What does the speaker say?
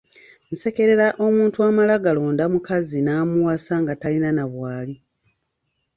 Nsekerera omuntu amala galonda mukazi n’amuwasa nga talina na bw’ali.